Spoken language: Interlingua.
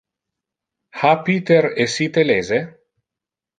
Ha Peter essite lese?